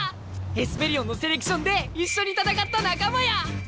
エスペリオンのセレクションで一緒に戦った仲間や！